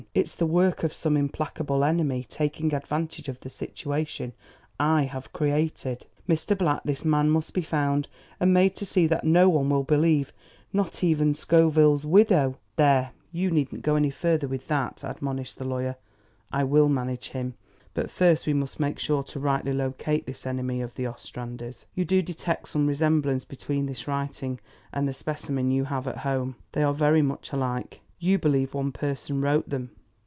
"It's the work of some implacable enemy taking advantage of the situation I have created. Mr. Black, this man must be found and made to see that no one will believe, not even Scoville's widow " "There! you needn't go any further with that," admonished the lawyer. "I will manage him. But first we must make sure to rightly locate this enemy of the Ostranders. You do detect some resemblance between this writing and the specimen you have at home?" "They are very much alike." "You believe one person wrote them?"